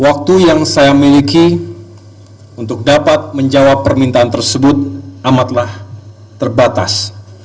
waktu yang saya miliki untuk dapat menjawab permintaan tersebut amatlah terbatas